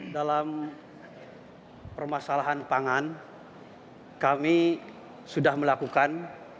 dalam permasalahan pangan kami sudah melakukan